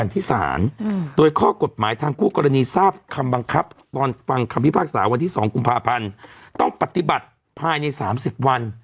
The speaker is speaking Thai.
พอไปหาหมอแกก็โทรกลับมาผมก็โทรไปหาเป็นยังไงบ้าง